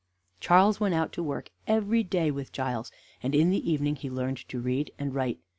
Charles went out to work every day with Giles, and in the evening he learned to read and write.